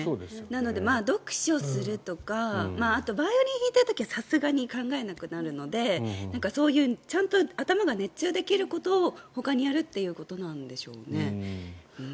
なので、読書するとかあとバイオリンを弾いている時はさすがに考えなくなるのでそういう頭が熱中できることをほかにやるということなんでしょうね。